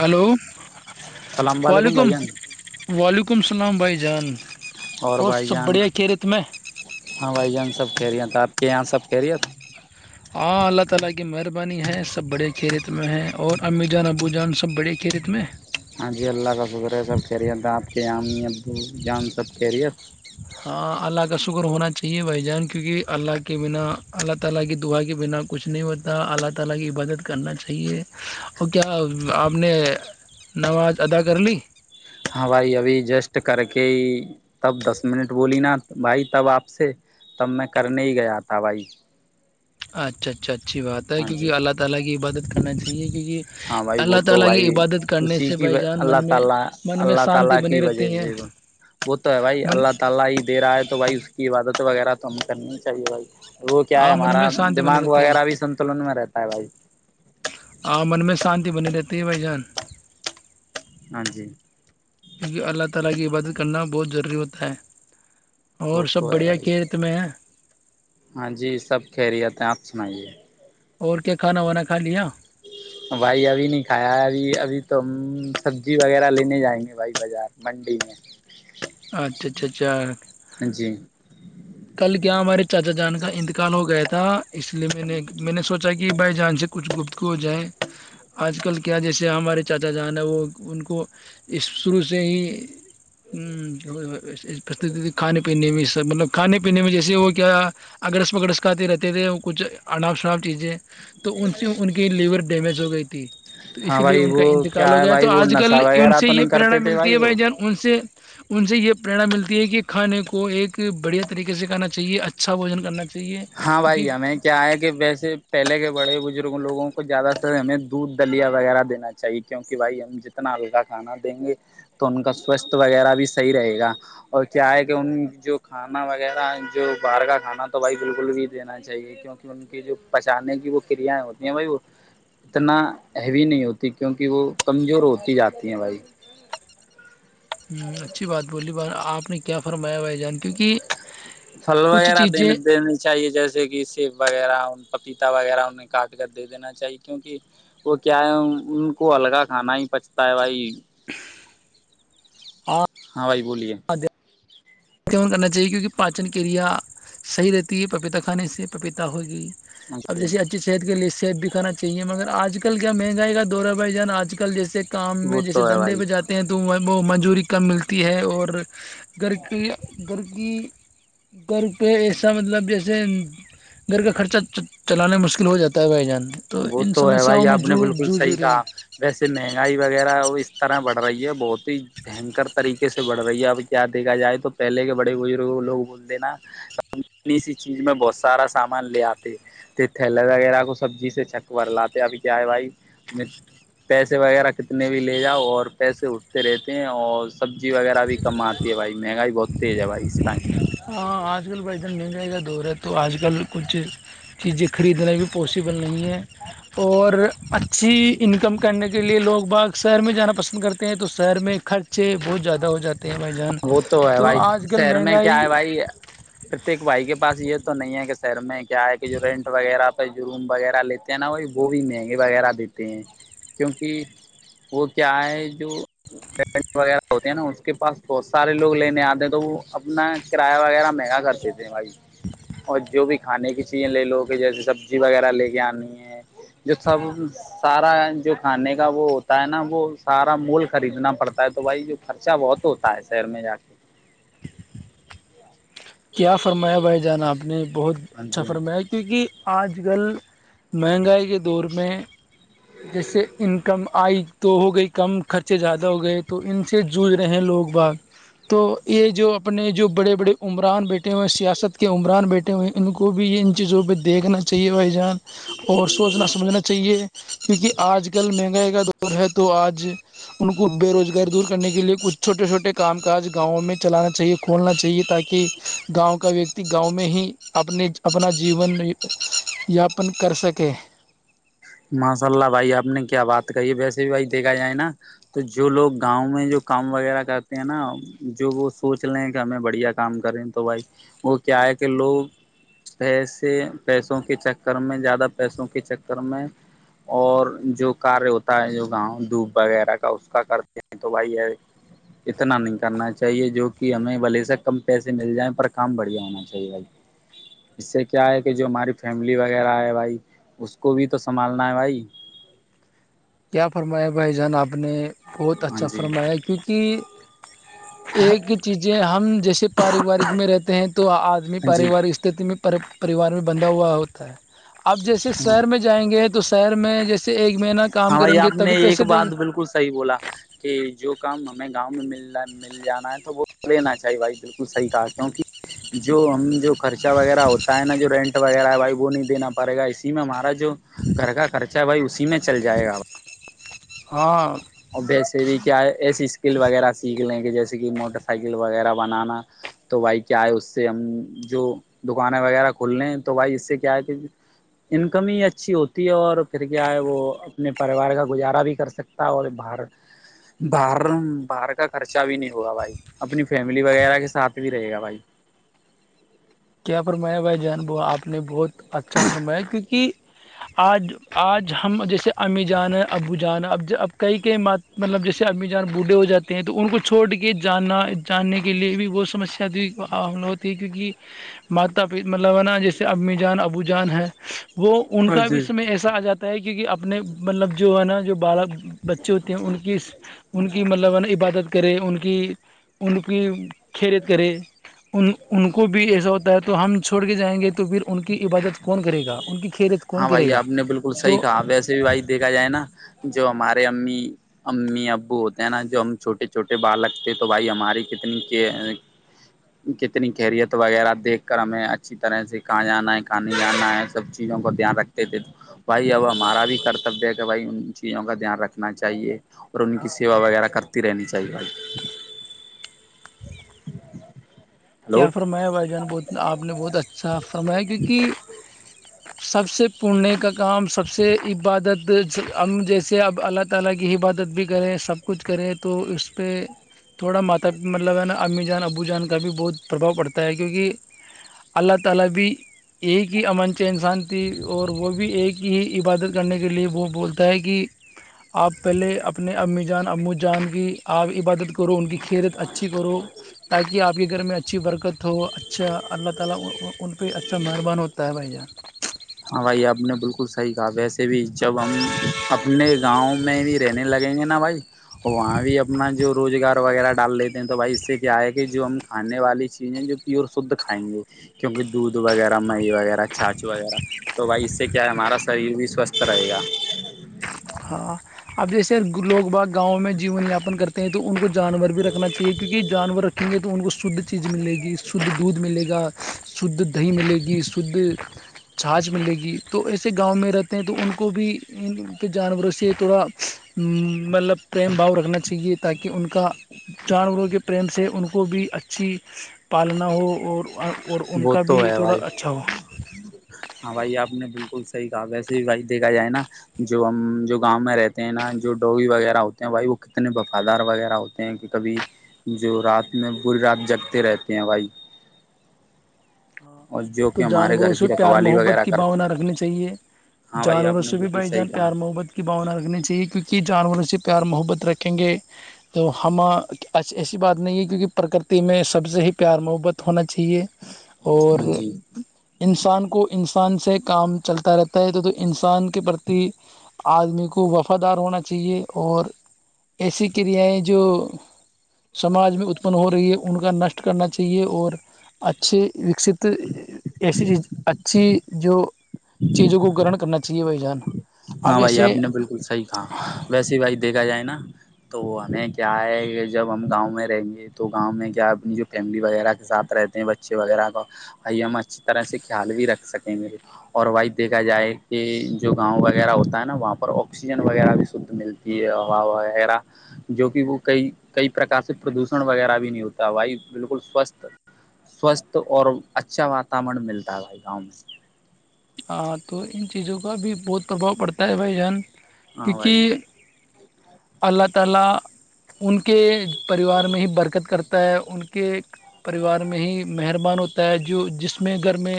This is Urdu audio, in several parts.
ہلو السلام علیکم وعلیکم بھائی جان وعلیکم السلام بھائی جان اور بائی سب جان بڑھیا خیریت میں ہاں بھائی جان سب کہہ رہے ہیں تو آپ کے یہاں سب کہ رہی ہیں ہاں اللہ تعالی کی مہربانی ہے سب بڑے کھیت میں ہیں اور امی جانبو جان سب بڑے ہاں جی اللہ کا شکر ہے سب کہہ رہیے آپ کے ع ابو جان سب کہہ رہیےت ہاں اللہ کا شکر ہونا چاہیے بھائی جان کیونکہ اللہ کی بنا اللہ تعالی کی دعا کی بنا کچھ نہیں ہوتا اللہ تعالی کی مدد کرنا چاہیے اور کیا اپ نے نماز ادا کر لی ہائی ابھی ای جسٹ کر کے ہی تب دس منٹ بولی نا بھائی تب آپ سے تب میں کرنے ہی گیا تھا بھائی اچھا اچھا اچھی بات ہے ہاں کیونکہ جی اللہ تعالی کی عبا ہاں بھائی وہ اللہ تو تعالی کی بھائی عبادت کرنے اسی سے کی بھائی جان اللہ تعالی من میں اللہ شانتی تعالی بنی کی رہتی وجہ ہیں سے وہ تو ہے بھائی اللہ تعالی ہی دے رہا ہے تو بھائی اس کی عبادت وغیرہ تو ہم کرنی چاہیے وہ کیا ہے ہاں من میں ہمارا شانتی بنی دماغ رہتی ہے وغیرہ بھی سنتولن میں رہتا ہے بھائی ہاں من میں شانتی بنی رہتی ہے بھائی جان ہاں جی اور وہ سب تو ہے بڑیا بھائی کے ت میں ہاں جی سب خیریتیں آپ سنائیے اور کیا کھانا وانا کھا لیا بھائی ابھی نہیں کھایا ہے ابھی ابھی تو ہم سبزی وغیرہ لینے جائیں گے بھائی بازار منڈی میں اچھا اچھا اچھا اں جی کل کیا ہمارے چاچا جان کا انتقال ہو گیا تھا اس لیے میں نے میں نے سوچا کہ بھائی جان سے کچھ گپتگو ہو جائے آج کل کیا جیسے ہمارے چاچا جان ہیں وہ ان کو اس شروع سے ہی پر کھانے پینے میں سب مطلب کھانے پینے میں جیسے وہ کیا اگگرس پگرس کھاتے رہتے تھے کچھ انناپ شناپ چیزیں تو ان سے ان کی لیور ڈیمیج ہو گئی تھی تو ہاں اسی لیے بھائی ان کا وہ انتقال کیا ہو گیا ہے بھائی تو وہ آج کل نشہ ان وغیرہ سے تو یہ نہیں پرریرناا کرتے تھے ملتی ہے بھائی وہ جان ان سے ان سے یہ پریرناا ملتی ہے کہ کھانے کو ایک بڑھیا طریقے سے کرنا چاہیے اچھا بوجن کرنا چاہیے ہاں کیونکہ بھائی ہمیں کیا ہے کہ ویسے پہلے کے بڑے بزرگ لوگوں کو زیادہ سے ہمیں دودھ دلیا وغیرہ دینا چاہیے کیونکہ بھائی ہم ج اتنا ہلکا کھانا دیں گے تو ان کا سواستھ وغیرہ بھی صحیح رہے گا اور کیا ہے کہ ان جو کھانا وغیرہ جو باہر کا کھانا تو بھائی بالکل بھی دینا چاہیے کیونکہ ان کی جو پہچانے کی وہ کریایں ہوتی ہیں بھائی وہ اتنا ہیوی نہیں ہوتی کیونکہ وہ کمزور ہوتی جاتی ہیں بھائی اچھی بات بولی ب آپ نے کیا فرمایا بھائی جان کیونکہ فھل کچھ وغیرہ چیزیں دنے دینے چاہیے جیسے کہ سیب وغیرہ پپیتا وغیرہ انہیں کاٹ کر دے دینا چاہیے کیونکہ وہ کیا ہے ان کو الگا کھانا ہی پچتا ہے بھائی ہاں بھائی بولیے م اس کمن کرنا چاہیے کیونکہ پاچن کیریا صحیح رہتی ہے پپیتا کھانے سے پپیتا ہوگی اب جیسے اچھی ش کے لیے سیب بھی کھانا چاہیے مگر آج کل کیا مہنگائی کا دورا بھائی جان آج کل جیسے کام میں وہ جیسے تو ہے دھندھے بھائی پہ جاتے ہیں تو وہ منجوری کم ملتی ہے اور گھر کہ گھر کی گھر پہ ایسا مطلب جیسے گھر کا خرچہ چلانا مشکل ہو جاتا ہے بھائی جان وہ ان تو ہے سمسیاؤں بھائی میں آپ نے جو بالکل جوجھ صحیح رہے ہیں کہا ویسے مہنگائی وغیرہ وہ اس طرح بڑھ رہی ہے بہت ہی بنکر طریقے سے بڑھ رہی ہے اب کیا دیکا جائے تو پہلے کے بڑے بزرگ لوگ بولتے ہیں نا ی چیز میں بہت سارا سامان لے آتے تھ تھیلے وغیرہ کو سبزی سے چکور لاتے ابھی کیا ہے بھائی پیسے وغیرہ کتنے بھی لے جاؤ اور پیسے اٹھتے رہتے ہیں اور سبزی وغیرہ بھی کم آتی ہے بھائی مہنگائی بہت تیز ہے بھائی اس ٹائم ہاں آج کل بھ جان مل جائے گا دور ہے تو آج کل کچھ چیزیں خریدنا بھی پاسبل نہیں ہے اور اچھی انکم کرنے کے کے لیے لوگ باغ شہر میں جانا پسند کرتے ہیں تو شہر میں خرچے بہت زیادہ ہو جاتے ہیں بھائی جان وہ تو ہے بھائی آج کل شہر میں کیا مہنگائی ہے بھائی پرتیک بھائی کے پاس یہ تو نہیں ہے کہ س شہ میں کیا ہے کہ جو رینٹ وغیرہ پہ جو روم وغیرہ لیتے نا وہ وہ بھی مہنگے وغیرہ دیتے ہیں کیونکہ وہ کیا ہے جونٹ وغیرہ ہوتے ہیں نا اس کے پاس بہت سارے لوگ لینے آتے ہیں تو وہ اپنا کرایہ وغیرہ مہنگا کر دیتے ہیں بھائی اور جو بھی کھانے کی چیزیں لے لو کہ جیسے سبزی وغیرہ لے کے آنی ہے جو سب سارا جو کھانے کا وہ ہوتا ہے نا وہ سارا مول خریدنا پڑتا ہے تو بھائی جو خرچہ بہت ہوتا ہے شہر میں جا کے کیا فرمایا بھائی جانا آپ نے بہت ہاں اچھا جی فرمایا کیونکہ آج کل مہنگائی کے دور میں جیسے انکم آئی تو ہو گئی کم خرچے زیادہ ہو گئے تو ان سے جوجھ رہے ہیں لوگ باگ تو یہ جو اپنے جو بڑے بڑے عمر عمرآان بیٹھے ہوئے سیاست کے عمران بیٹے ہوئے انن کو بھی یہ ان چیزوں پہ دیکھنا چاہیے بھائی جان اور سوچنا سمجھنا چاہیے کیونکہ آج کل مہنگائی کا دور ہے تو آج ان کو بے روزگار دور کرنے کے لئے کچھ چھوٹے چھٹے کام کاج گاؤوں میں چلانا چاہیے کھولنا چاہیے تاکہ کہ گاؤں کا ویکتی گاؤں میں ہی اپنے اپنا جیون یاپن کر سکیں ماشاء اللہ بھائی آپ نے کیا بات کہی ہے ویسے بھی بھائی دیکھا جائے نا تو جو لوگ گاؤں میں جو کام وغیرہ کرتے ہیں نا جو وہ سوچ لے کہ ہمیں بڑھیا کام کریں تو بھائی وہ کیا ہے کہ لوگ پیسے پیسوں کے چکر میں زیادہ پیسوں کے چکر میں اور جو کاریہ ہوتا ہے جو گاؤں دھوپ وغیرہ کا اس کا کرتے ہیں تو بھائی ہے اتنا نہیں کرنا چاہیے جو کہ ہمیں بلے سا کم پیسے مل جائےیں پر کام بڑھیا ہونا چاہیے [inaudible] اس سے کیا ہے کہ جو ہماری فیملی وغیرہ ہے بھائی اس کو بھی تو سنبھالنا ہے بھائی کیا فرمایا بھائی جان آپ نے بہت ہاں اچھا جی فرمایا کیونکہ ایک چیزیں ہم جیسے پاروارک میں رہتے ہیں تو آدمی ہاں جی پاروارک پریوار میں بندھا ہوا ہوتا ہے اب جیسے ہاں شہر میں جو جائیں گے تو شہر میں جیسے ایک مہین ہاں بھائی آپ نے ایک بات بالکل صحیح بولا کہ جو کام ہمیں گاؤں میں مل رہ ہے مل جانا ہے تو وہ لینا چاہے بھائی بالکل صحیح کہا کیوںک جو ہم جو خرچہ وغیرہ ہوتا ہے نا جو رینٹ وغیرہ ہے بھائی وہ نہیں دینا پڑے گا اسی میں ہمارا جو گھر کا خرچہ بھائی اسی میں چل جائے گا ہاں اور ویسے بھی کیا ایسی اسکل وغیرہ سیکھ لیں کہ جیسے کہ موٹر سائیکل وغیرہ بنانا تو بھائی کیا ہے اس سے ہم جو دکانیں وغیرہ کھلنے ہیں تو بھائی اس سے کیا ہے کہ انکم ہی اچھی ہوتی ہے اور پھر کیا ہے وہ اپنے پریوار کا گزارا بھی کر سکتے اور باہر باہر باہر کا خرچہ بھی نہیں ہوا بھائی اپنی فیملی وغیرہ کے ساتھ بھی رہے گا بھائی کیا فرمایا بھائی جان ب آپ نے بہت اچھا فرمایا کیونکہ آج آج ہم جیسے امی جان ہے ابو جان ہے اب اب کئی کئی م مطلب جیسے آدمی جان بوڑھے ہو جاتے ہیں تو ان کو چھوڑ کے جانا جاننے کے لیے بھی وہ سسیا تھی عمل ہوتی ہے کیونکہ ماتا پی مطلوانا جیسے امی جان ابو جان ہے وہ ان ہاں کا بھی جی سمے ایسا آ جاتا ہے کیکہ اپنے مطلب جو ہے نا جو بالا بچے ہوتے ہیں ان کی ان کی مطلب عبادت کرے ان کی ان کی کھیریت کرے ان کو بھی ایسا ہوتا ہے تو ہم چھوڑ کے جائیں گے تو پھر ان کی عبادت کون کرے گا ان کی خیریت کون ہاں کرے بھائی گا آپ نے بالکل صحیح تو کہا ویسے بھی بھائی دیکھا جائے نا جو ہمارے امی امی ابو ہوتے ہیں نا جو ہم چھوٹے چھوٹے بالک تھ تو بھائی ہماری کتنی کے کتنی کیریت وغیرہ دیکھ کر ہمیں اچھی طرح سے کہاں جانا ہے کہاں نہیں جانا ہے سب چیزوں کو دھیان رکھتے تھے تو بھائی اب ہمارا بھی کرتبیہ ہے کہ بھائی ان چیزوں کا دھیان رکھنا چاہیے اور ان کی سیوا وغیرہ کرتی رہنی چاہیے ب [inaudible] ہلو کیا فرمایا بھائی جان بہت آپ نے بہت اچھا فرمایا کیونکہ سب سے پنے کا کام سب سے عبادت جیسے اب اللہ [unintelligible] تھوڑا ماتا مطلب ہے نا امی جان ابو جان کا بھی بہت پربھؤ پڑتا ہے کیونکہ اللہ تعالی بھی ایک ہی امنچ انسان تھی اور وہ بھی ایک ہی عبادت کرنے کے لیے وہ بولتا ہے کہ آپ پہلے اپنے امی جان امو جان کی آپ عبادت کرو ان کی کیرت اچھی کرو تاکہ آپ گھر میںچھا اللہ تعالی مہربان ہوتا ہے ہاں بھائی آپ نے بالکل صحیح کہا ویسے بھی جب ہم اپنے گاؤں میں بھی دینے لگیں گے نا بھائی وہاں بھی اپنا جو روزگار وغیرہ ڈال لیتے ہیں تو بھائی اس سے کیا ہے کہ جو ہم کھانے والی چیزیں جو پیور شدھ کھائیں گے کیونکہ دودھ وغیرہ مہ وغیرہ چاچ وغیرہ تو بھائی اس سے کیا ہے ہمارا شریر بھی سوستھ رہے گا ہاں اب جیسے لوگ با گاؤں میں جیون یاپن کرتے ہیں تو ان کو جانور بھی رکھنا چاہیے کیونکہ جانور رکھ وں گے تو ان کو شدھ چیز ملے گی شدھ دودھ ملے گا شدھ دہی ملے گی شدھ چھاچھ ملے گی تو ایسے گاؤں میں رہتے ہیں تو ان کو بھی کے جانوروں سے تھوڑا مطلب پریم بھاؤ رکھنا چاہیے تاکہ ان کا جانوروں کے پریم سے ان کو بھی اچھی پالنا ہو اور اور ان وہ کا بھی تو ہے تھوڑا بھائی اچھا ہو ہاں بھائی آپ نے بالکل صحیح کہا ویسے بھی بھائی دیکھا جائے نا جو ہم جو گاؤں میں رہتے ہیں نا جو ڈوی وغیرہ ہوتے ہیں بھائی وہ کتنے وفادار وغیرہ ہوتے کہ کبھی جو رات میں بوری رات جگتے رہتے ہیں بھائی ہاں اور جو تو کہ ہمارے جانوروں گھر سے کی پیار رکھوالی محبت وغیرہ کی کرتی بھانا ہیں۔ رکھنی چاہیے ہاں بھائی آپ جانوروں نے سے بھی بالکل بھائی صحیح جان کہا پیار محبت کی باونا رکھنی چاہیے کیونکہ جانوروں سے پیار محبت رکھیں گے تو ہم ایسی بات نہیں ہے کیونکہ پرکرتی میں سب سے ہی پیار محبت ہونا چاہیے اور ہاں جی انسان کو انسان سے کام چلتا رہتا ہے تو تو انسان کے پرتی آدمی کو وفادار ہونا چاہیے اور ایسی کریایں جو سماج میں اتپن ہو رہی ہے ان کا نشٹ کرنا چاہیے اور اچھے وکست ایسی چیز اچھی جو ہی [inaudible] چیزوں کو گرن کرنا چاہیے بھائی جان اب ہاں بھائی جیسے آپ نے بالکل صحیح کہا ویسے بھائی دیکھا جائے نا تو ہمیں کیا ہے کہ جب ہم گاؤں میں رہیں گے تو گاؤں میں کیا اپنی جو فیملی وغیرہ کے ساتھ رہتے ہیں بچے وغیرہ کا ہم اچھی طرح سے خیال بھی رکھ سکیں گے اور وہی دیکھا جائے کہ جو گاؤں وہ وغیرہ ہوتا ہے نا وہاں پر آکسیجن وغیرہ بھی شھس ملتی ہے ہوا وغیرہ جو کہ وہ کئی کئی پرک سے پردوشن وغیرہ بھی نہیں ہوتا بھائی بالکل سوستھ سوستھ اور اچھا واتاورن ملتا ہے گاؤں میں ہاں تو ان چیزوں کا بھی بہت پرباؤ پڑتا ہے بھائی جان ہاں بھائی کیونکہ اللہ تعالی ان کے پرواہ نہیں برکت کرتا ہے ان کے پریوار میں ہی مہربان ہوتا ہے جو جس میں گھر میں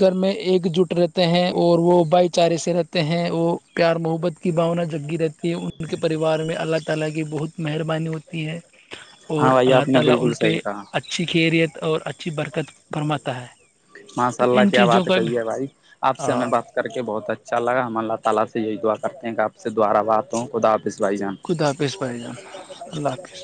گھر میں ایک جٹ رہتے ہیں اور وہ بھائی چارے سے رہتے ہیں وہ پیار محبت کی باؤنا جگی رہتی ہے اس پریوار میں اللہ تعالی مہربانی ہوتی ہے اور ہاں بھائی اللہ آپ نے تعالی بالکل ان پہ صحیح کہا اچھی شریعت اور اچھی برکت پسند ہے ماشاء تو اللہ ان کیا بات چیزوں کا بھی کہی ہے بھائی آپ سے ہمیں ہاں بات کے آپ سے دوبارہوات ہوں خدا آپس بھائی جان خدا حافظ بھائی جان اللہ حافظ